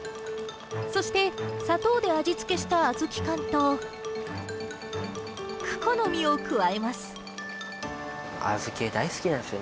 そして砂糖で味付けした小豆缶とクコの実を加えます。